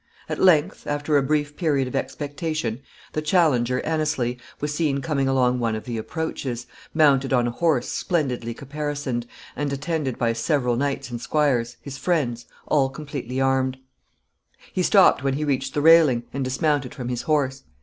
At length, after a brief period of expectation, the challenger, Anneslie, was seen coming along one of the approaches, mounted on a horse splendidly caparisoned, and attended by several knights and squires, his friends, all completely armed. [Sidenote: The horse excluded.] He stopped when he reached the railing and dismounted from his horse.